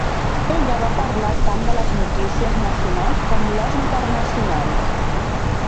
Ella va parlar tant de les notícies nacionals com les internacionals.